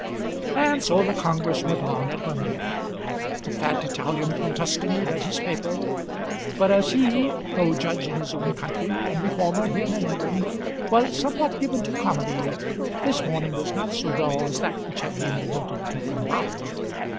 And so the congress went on at Birmingham. The fat Italian from Tuscany read his paper; but as he, though judge in his own country and reformer here in England, was somewhat given to comedy, this morning was not so dull as that which had been devoted to Von Bauhr.